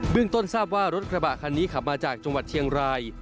ต้นทราบว่ารถกระบะคันนี้ขับมาจากจังหวัดเชียงราย